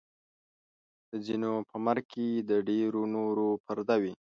د ځینو په مرګ کې د ډېرو نورو پرده وي.